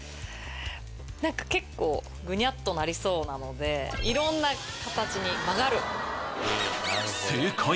なんか結構グニャッとなりそうなのでいろんな形に曲がる。